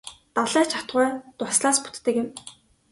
Далай ч атугай дуслаас бүтдэг юм.